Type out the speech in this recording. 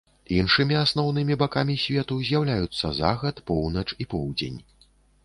Іншымі асноўнымі бакамі свету з'яўляюцца захад, поўнач і поўдзень.